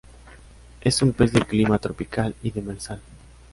Es un pez de clima tropical y demersal.